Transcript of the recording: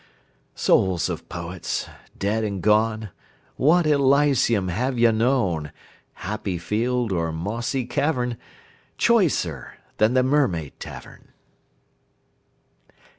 Souls of Poets dead and gone, What Elysium have ye known, Happy field or mossy cavern, Choicer than the Mermaid Tavern?